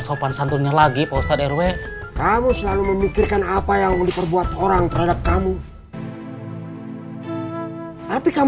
sekarang ini kamu bapak rumah tangga